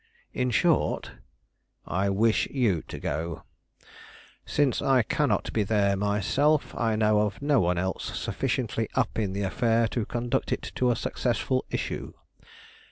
"In short " "I wish you to go. Since I cannot be there myself, I know of no one else sufficiently up in the affair to conduct it to a successful issue.